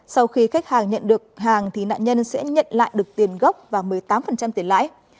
sau khi khách hàng nhận được hàng thì nạn nhân sẽ nhận lại được tiền gốc và một mươi tám tiền lãi